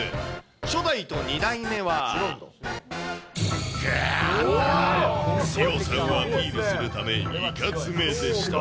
初代と２代目は、強さをアピールするためいかつめでした。